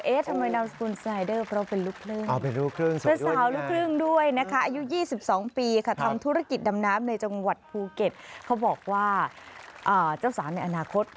เอ๊ะทำไมนำคุณสไนเดอร์เพราะเป็นลูกเครื่อง